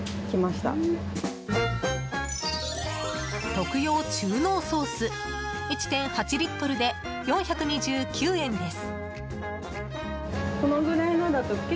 徳用中濃ソース１．８リットルで４２９円です。